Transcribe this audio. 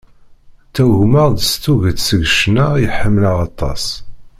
Ttagmeɣ-d s tuget seg ccna i ḥemmleɣ aṭas.